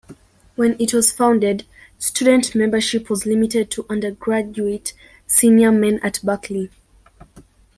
When it was founded, student membership was limited to undergraduate senior men at Berkeley.